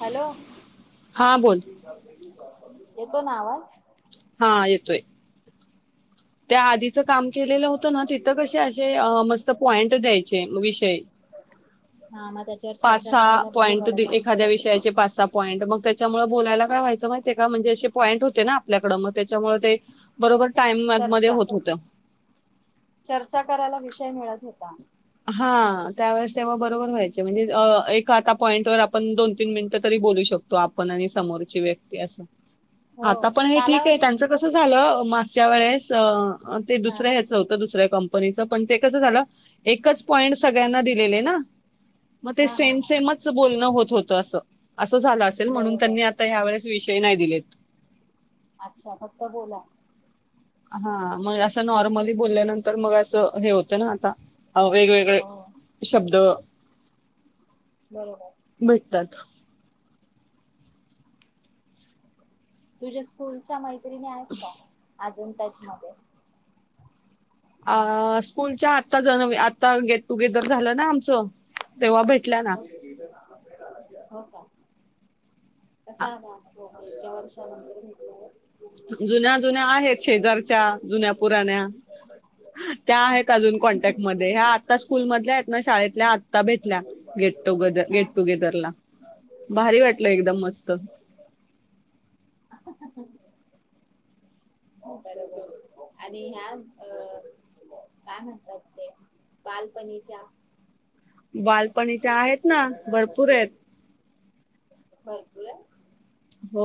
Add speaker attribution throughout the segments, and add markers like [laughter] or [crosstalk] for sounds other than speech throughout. Speaker 1: Hello
Speaker 2: हा बोल
Speaker 1: येतो ना आवाज
Speaker 2: हा येतोय त्या आधीचं काम केलेलं होतं ना तिथं कसे आशे मस्त पॉईंट द्यायचे विषय
Speaker 1: हा मग त्याच्यावर
Speaker 2: पाच
Speaker 1: चर्चा
Speaker 2: सहा
Speaker 1: करायला बरी
Speaker 2: पॉईंट दे
Speaker 1: पडत असेल.
Speaker 2: एखाद्या विषयाचे पाच सहा पॉईंट मग तेच्यामुळ बोलायला काय व्हायचं माहि [unintelligible] म्हणजे असे पॉईंट होते ना आपल्याकड मग त्याच्यामुळ ते बरोबर टाईम मध्ये
Speaker 1: चर्चा
Speaker 2: होत होत
Speaker 1: चर्चा करायला विषय मिळत होता.
Speaker 2: हा त्यावेेळेस तेव्हा बरोबर व्हायचे म्हणजे एक आता पॉईंट वर आपण दोन तीन मिनटं तरी बोलू शकतो आपण आणि समोरची व्यक्ती असं.
Speaker 1: हो
Speaker 2: आता पण हे ठीक आहे
Speaker 1: कालावधी
Speaker 2: त्यांचं कसं झालं मागच्या वेळेस ते
Speaker 1: हा हा
Speaker 2: दुसऱ्या हेचं होतं दुसऱ्या कंप परीच पण ते कसं झालं एकच पॉईंट सगळ्यांना दिलेले ना मग ते
Speaker 1: हा हा
Speaker 2: सेम
Speaker 1: हा
Speaker 2: सेमच बोलणं होत होत अस असं झालं असेल म्हणून
Speaker 1: बरोबर
Speaker 2: त्यांनी आता हयावेेळेस वि ते नाही दिलेत
Speaker 1: अच्छा फक्त बोला
Speaker 2: हा मग असं नॉर्मली बोलल्यानंतर मग असं हे होतं ना आता ह वेगवेगळे
Speaker 1: हो
Speaker 2: शब्द
Speaker 1: बरोबर
Speaker 2: भेटतात
Speaker 1: तुझ्या स्कूलच्या माहिती मैत्रिणी आहेत का टचमध्ये
Speaker 2: अ स्कूलच्या आता ज आता गेट टुगेदर झालं ना आमचं तेव्हा भेटल्या ना
Speaker 1: हो का असमा हो एका वर्षानंतर भेटल्यावर
Speaker 2: जुन्या जुन्या आहेत शेजारच्या जुन्या पुराण्या त्या आहेत अजून
Speaker 1: अच्छा
Speaker 2: कॉन्टॅक्ट मध्ये ह्या आता स्कूल मधल्या आहेत ना शाळेतल्या आता भेटल्या गेट टुगदर
Speaker 1: हा
Speaker 2: गेटटुगेदरला भारी
Speaker 1: अच्छा
Speaker 2: वाटलं
Speaker 1: अच्छा
Speaker 2: एकदम मस्त
Speaker 1: बरोबर आणि ह्या अ काय म्हणतात ते बालपणीच्या
Speaker 2: बालपणीच्या आहेत ना
Speaker 1: भरपूर
Speaker 2: भरपूरयेत
Speaker 1: भरपुरत
Speaker 2: हो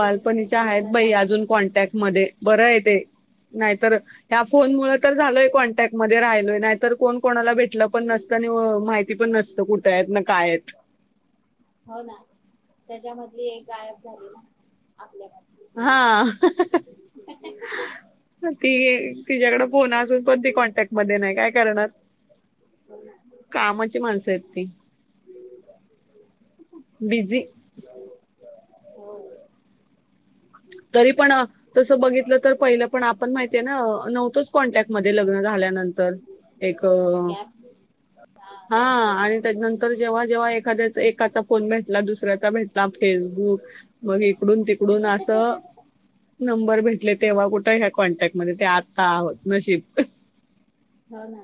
Speaker 1: तुम्ही कुठे
Speaker 2: आहेत
Speaker 1: फिरायला
Speaker 2: बाई
Speaker 1: जाता
Speaker 2: अजून कॉन्टॅक्ट मध्ये बरं आहे ते नाहीतर ह्या फोनमुळ तर झालोय कॉन्टॅक्ट मध्ये राहिलोय नाहीतर कोण कोणाला भेटलं पण नसतं आणि माहिती पण नसतं कुठत आहेत ना काय आहेत
Speaker 1: हो ना त्याच्यामधली एक गायब झाली ना आपल्या
Speaker 2: हा ती तिच्या्याकड फोन असून पण ती कॉन्टॅक्ट मध्ये नाही काय करणार कामाची माणसं आहेत ती बिझी
Speaker 1: हो
Speaker 2: तरी पण तस बघितल तर पहिल पण आपण माहितीय ना नव्हतोच कॉन्टॅक्टमधे लग्न झाल्यानंतर एक
Speaker 1: गॅप
Speaker 2: हा
Speaker 1: गॅप पडला
Speaker 2: आणि त्याच्यानंतर जेव्हा जेव्हा एखादयाचा एकाचा फोन भेटला दसरया भेटला फेसबुक मग इकडून तिकडून असं नंबर भेटले तेव्हा कुठे ह्या कॉन्टॅक्टमध्ये ते आता आहोत नशीब
Speaker 1: हो ना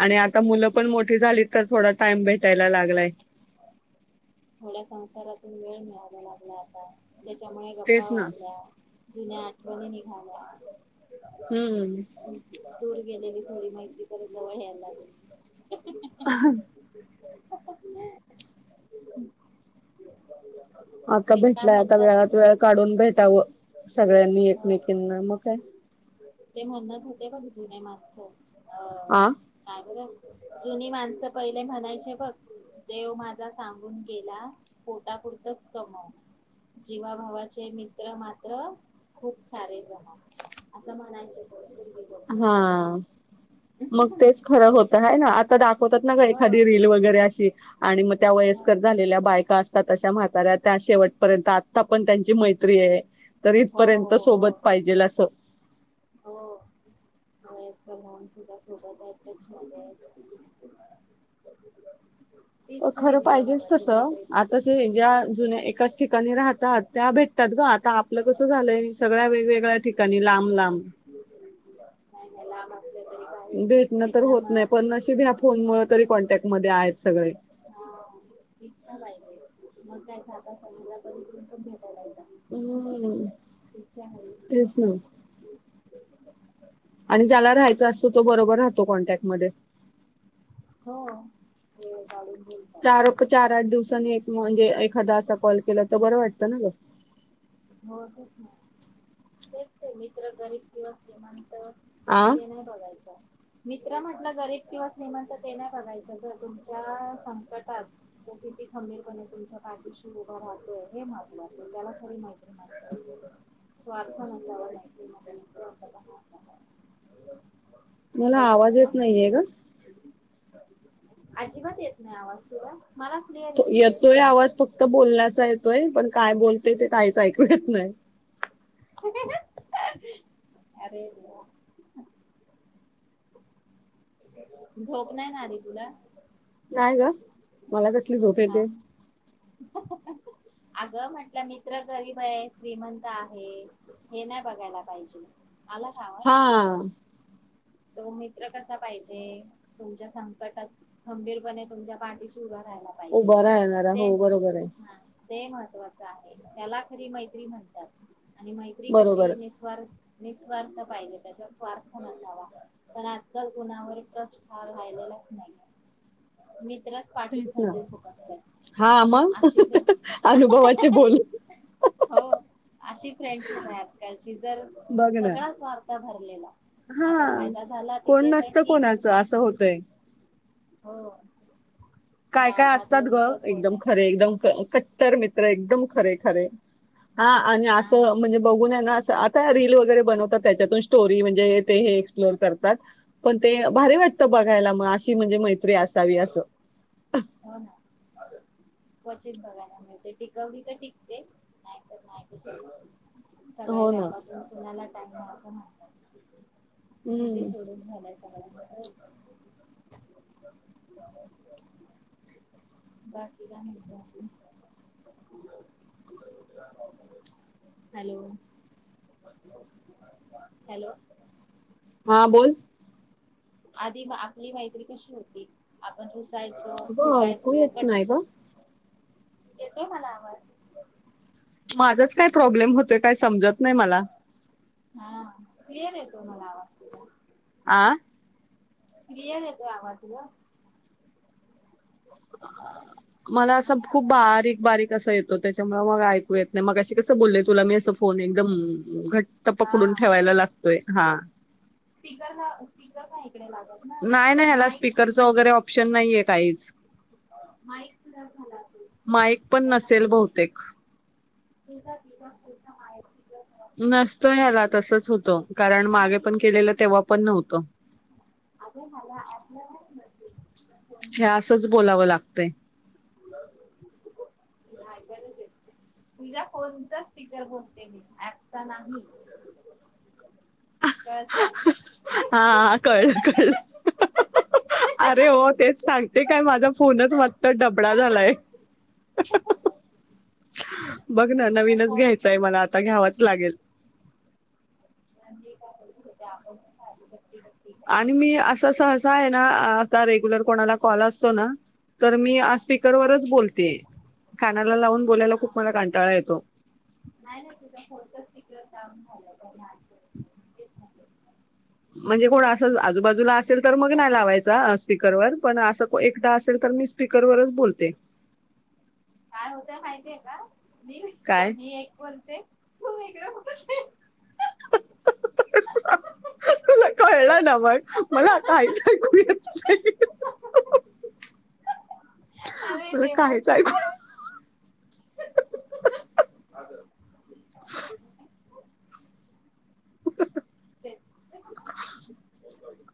Speaker 2: आणि आता मुलं पण मोठी झाली तर थोडा टाइम भेटायला लागलाय
Speaker 1: थोड्या संसारातून वेळ मिळाला लागल्या आता त्याच्यामुळे गप्पा
Speaker 2: तेच ना
Speaker 1: वाढल्या जुन्या आठवणी नि होा [inaudible]
Speaker 2: हम्म [inaudible]
Speaker 1: गेलेली थोडी माहिती कराय जवळ यायला लागे
Speaker 2: ह
Speaker 1: [inaudible]
Speaker 2: आता
Speaker 1: ते काय
Speaker 2: भेटलाय आता
Speaker 1: म्हणतात
Speaker 2: वेळात वेळ काढून भेटावं सगळ्यांनी
Speaker 1: अं,
Speaker 2: एकमेकीांना मग काय
Speaker 1: हो अ
Speaker 2: आ
Speaker 1: कार- जुनी माणसं पहिले म्हणायचे बघ देव माझा सांगून गेला पोटापुरतच कमव जीवाभवाचे मित्र मात्र खूप सारे जमाव असं म्हणायचे पूर्वी लोक
Speaker 2: हा मग तेच खरं होत ह ना आता होतात ना
Speaker 1: हो
Speaker 2: एखादी रील वगैरे अशी आणि मग त्या
Speaker 1: हो
Speaker 2: वयस्कर झालेल्या बायका तशा म्हाताऱ्या त्या शेवटपर्यंत आता पण त्यांची मैत्री आहे. तर
Speaker 1: हो
Speaker 2: इथपर्यंत
Speaker 1: हो
Speaker 2: सोबत पाहिजेल असं
Speaker 1: हो [unintelligible] तीच
Speaker 2: अ
Speaker 1: खरी
Speaker 2: खरं पाहिजेच
Speaker 1: जीवाभावाची
Speaker 2: तसं
Speaker 1: मैत्री
Speaker 2: आता ज ज्या जुन्या एकाच ठिकाणी राहतात त्या भेटतात ग. आता आपलं कसं झालंय सगळ्या वेगवेगळ्या ठिकाणी लांब लांब.
Speaker 1: [unintelligible] बाहेर
Speaker 2: भेटणं तर होत
Speaker 1: मग
Speaker 2: नाही पण नशीब ह्या फोन मुळ तरी कॉन्टॅक्ट मध्ये आहेत सगळे.
Speaker 1: इच्छा [unintelligible] येतात
Speaker 2: हम्
Speaker 1: इच्छा आहे
Speaker 2: तेच ना आणि ज्याला राहायच असतं तो बरोबर राहतो कॉन्टॅक्ट मध्ये.
Speaker 1: हो. काढून बोलतात
Speaker 2: चार चार आठ दिवसांनी एक म्हणजे एखादा असा कॉल केला तर बरं वाटतं ना ग.
Speaker 1: हो नाही तेच ते मित्र गरीब दिवस म्हना तर,
Speaker 2: आ
Speaker 1: ते नाही बघायचं. मित्र म्हटलं गरीब किंवा श्रीमंत ते नाही बघायचं ग तुमच्या संकटात तो किती खंबीरपणे तुमच्या पाठीशी उभा राहतोय. हे महत्वाचं त्याला खरी मैत्री स्वार्थ नसवा [unintelligible]
Speaker 2: मला आवाज येत नाहीये ग.
Speaker 1: अजिबात येत नाही आवाज तुला? मला क्लिअर
Speaker 2: येतोय आवाज फक्त बोलण्याचा येतोय. पण काय बोलतय ते काहीच ऐक [unintelligible]
Speaker 1: [unintelligible] झोप नाही ना आली तुला?
Speaker 2: नाही ग, मला कसली झोप
Speaker 1: हा
Speaker 2: येते.
Speaker 1: अगं म्हटलं मित्र गरीब आहे, श्रीमंत आहे हे नाही बघायला पाहिजे. आला का आवाज
Speaker 2: हा.
Speaker 1: तो मित्र कसा पाहिजे तुमच्या संकटात खंबीरपणे तुमच्या पाठीशी उभा. राहायला पाहिजे
Speaker 2: उभा राह्यणारा
Speaker 1: ते
Speaker 2: हो बरोबर आहे.
Speaker 1: हा ते महत्त्वाचं आहे त्याला खरी मैत्री म्हणतात. आणि मैत्री
Speaker 2: बरोबर
Speaker 1: कशी निस्वार्थ निःस्वार्थ पाहिजे त्याच्यात स्वार्थ नसावा. पण आजकाल कुणावर ट्रस्ट फार राहिलेलाच नाहीये. मी त्रच पाठीत
Speaker 2: तेच ना
Speaker 1: खंजीर खुपसतात.
Speaker 2: हा मग
Speaker 1: अशी फ्फ्रेंडशिप आहा
Speaker 2: अनुभवाचे
Speaker 1: हा
Speaker 2: बोल
Speaker 1: हा हो अशी फ्रेंडशिप आहे आजकालची जर
Speaker 2: बघ ना
Speaker 1: सगळा स्वार्थ भरलेला आज आप
Speaker 2: हा कोण नसत कोणाचं असं होतय.
Speaker 1: हो.
Speaker 2: काय
Speaker 1: डाळ
Speaker 2: काय
Speaker 1: भात
Speaker 2: असतात ग.
Speaker 1: लोणचं कोण
Speaker 2: एकदम खरे, एकदम खरे. कट्टर मित्र एकदम खरे खरे. हा आणि
Speaker 1: हा
Speaker 2: आसं म्हणजे बघून ए ना, आस त आता रील वगैरे बनवतात, त्याच्यातून स्टोरी म्हणजे ते हे एक्सप्लोर करतात. पण, ते
Speaker 1: हा
Speaker 2: भारी वाटतं बघायला म आसं. की म्हणजे मैत्री आसावी आसं.
Speaker 1: हा. हा. क्वचित बघायला मिळते. टिकवली तर टिकते नाहीतर नाही. सगळे
Speaker 2: हो ना
Speaker 1: व्यापातून कुणाला? नाहीतर आस नव्हतं. बिझी
Speaker 2: हम्म.
Speaker 1: शेडुल झालाय स [unintelligible] बास. ती काय म्हनतीया [unintelligible] हॅलो. हॅलो.
Speaker 2: हा बोल.
Speaker 1: आधी आपली मैत्री कशी होती? आपण रुस सायचो,
Speaker 2: अगं ऐकू
Speaker 1: फुगायचो,
Speaker 2: येत
Speaker 1: कट
Speaker 2: नाही ग
Speaker 1: येतो मला आवाज.
Speaker 2: माझाच काय प्रॉब्लेम होतोय काय समजत नाही मला.
Speaker 1: हा क्लियर येतोय मला आवाज तुझा.
Speaker 2: आ
Speaker 1: क्लियर येतोय आवाज तुझा.
Speaker 2: मला असं खूप बारीक बारीक. कस येतो त्याच्यामुळे मग ऐकू येत नाही, मगाशी कसं बोलले तुला मी असं फोन एकदम म्म घट्ट पकडून
Speaker 1: हा
Speaker 2: ठेवायला लागतो. तोय हां.
Speaker 1: स्पीकर का स्पीकर काय असतय?
Speaker 2: नाही नाही ह्याला, स्पीकरचं वगैरे ऑप्शन नाहीए. आईज
Speaker 1: माईक खराब झाला असेल
Speaker 2: माईक पण नसेल
Speaker 1: त्याच्यामुळे
Speaker 2: बहुतेक
Speaker 1: [unintelligible] झाला
Speaker 2: नसत अग
Speaker 1: असेल
Speaker 2: याया
Speaker 1: पण
Speaker 2: तसच होतं. कारण मागे पण केलेलं तेव्हा पण नव्हतं.
Speaker 1: अग मला [unintelligible]
Speaker 2: हे असंच बोलावं लागतंय.
Speaker 1: [unintelligible] तु ज्या फोनचा स्पीकर बोलते मी. ऍपचा नाही. कळतंय
Speaker 2: [unintelligible] हां कळं कळं [unintelligible] अरे हो तेच सांग ते काय माझा फोनच म्हणत डबडा झालाय. [unintelligible] बघ ना,
Speaker 1: तो
Speaker 2: नवीनच घ्यायचा य
Speaker 1: फोन
Speaker 2: मला आता घ्यावाच लागेल.
Speaker 1: [unintelligible]
Speaker 2: आणि मी असं सहसा आहे ना आता रेग्युलर कोणाला कॉल असतो ना तर मी
Speaker 1: हा
Speaker 2: आ स्पीकरवरच बोलते कानाला लावून बोलायला
Speaker 1: हा
Speaker 2: खूप मला कंटाळा येतो
Speaker 1: ड झा [unintelligible]
Speaker 2: म्हणजे कोण असंच आजूबाजूला असेल तर तर मग नाही लावायचा स्प स् व पण असं एकटा असेल तर मी स्पीकरवरच बोलते
Speaker 1: काय होतंय माहितीय का मी
Speaker 2: काय
Speaker 1: मी एक बोलते तू वेगळं बोल
Speaker 2: [inaudible] तुला कळलं ना मग मला काहीच ऐकू येत नाही
Speaker 1: हवे
Speaker 2: मला
Speaker 1: तेवा
Speaker 2: काहीच ऐकू
Speaker 1: तेच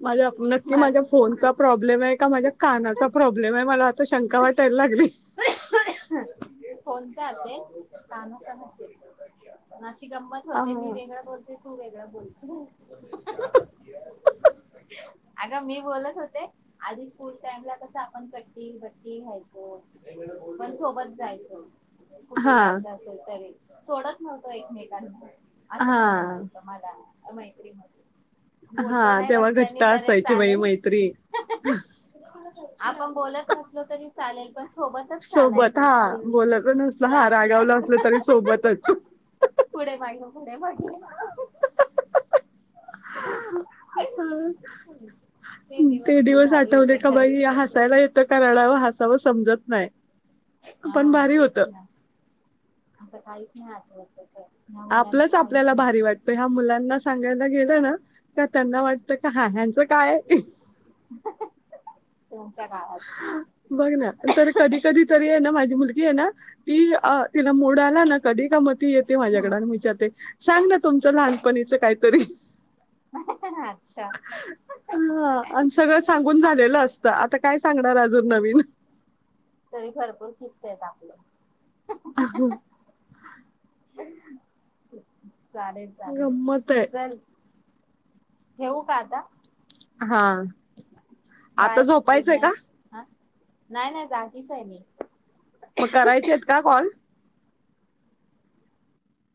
Speaker 2: माझ्या नक्की माझ्या
Speaker 1: माझं
Speaker 2: फोनचा प्रॉब्लेम आहे माझ्या कानाचा प्रॉब्लेम आहे मला शंका वाटायला लागली
Speaker 1: फंचा्या अस काणो काण अस ना गंमत
Speaker 2: हा
Speaker 1: होते मी वेगळा बोलते तू वेग बोलती अग मी बोलत होते आधी फूल टाइम ला कस आपण कट्टी भट्टी घ्यायचो पण सोबत जायचं कुठे
Speaker 2: हा
Speaker 1: जायचं असेल तरी सोडत नव्हतं एकमेकांना. असं म्हणायचं
Speaker 2: हा
Speaker 1: होतं मला. मैत्री म बोललो
Speaker 2: हा
Speaker 1: नाही
Speaker 2: तेव्हा घट्ट
Speaker 1: रस्त्याणी तरी
Speaker 2: असायची बाई
Speaker 1: चालेल.
Speaker 2: मैत्री
Speaker 1: आपण बोलत नसलो तरी चालेल. पण सोबतच
Speaker 2: सोबत
Speaker 1: चालायचो
Speaker 2: हा
Speaker 1: स्कूल
Speaker 2: बोलत नसल हा
Speaker 1: क्लासला
Speaker 2: रागावला असलं तरी सोबतच.
Speaker 1: बे [unintelligible]
Speaker 2: ते
Speaker 1: खूप
Speaker 2: दिवस
Speaker 1: भारी
Speaker 2: आठवले
Speaker 1: होते
Speaker 2: का बाई
Speaker 1: खरंच
Speaker 2: हसायला येतं का रडावा हासाव समजत नाही
Speaker 1: हा
Speaker 2: पण भारी
Speaker 1: तेच
Speaker 2: होतं
Speaker 1: ना. आता काहीच नाही आठवत तस.
Speaker 2: आपलंच आपल्याला भारी वाटतय ह्या मुलांना सांगायला गेलं ना त्या [unintelligible] त्यांना वाटतं का हा ह्यांचं काय.
Speaker 1: तुमच्या काळात
Speaker 2: बघ ना तर कधी कधी तरी आहे ना माझी मुलगी आहे ना ती अ तिला मोड आला ना कधी का मती येते माझ्याकड आणि विच्यारते सांगना तुमच्या लहान पणीच काहीतरी
Speaker 1: अच्छा
Speaker 2: [inaudible] अन हा सगळं सांगून झालेलं असत काय सांगणार अजून नवीन. [inaudible]
Speaker 1: तरी भरपूर किस्से येत आपलं.
Speaker 2: अ ह. [inaudible]
Speaker 1: चालेल, चालेल
Speaker 2: गंमत आहे.
Speaker 1: चल. ठेऊ का आता?
Speaker 2: हा आता
Speaker 1: बाय गुड
Speaker 2: झोपायचंय क?
Speaker 1: नाईट हा नाही, नाही जागीच आहे मी.
Speaker 2: मग करायचे आहेत का कॉल?